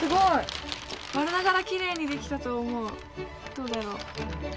どうだろう。